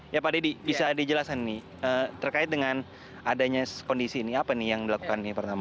ya pak deddy bisa dijelaskan nih terkait dengan adanya kondisi ini apa nih yang dilakukan pertama